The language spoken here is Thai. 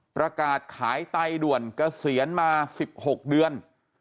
ประกาศขายไตด่วนเกษียณมา๑๖เดือน